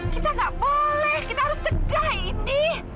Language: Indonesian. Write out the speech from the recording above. kita gak boleh kita harus cegah ini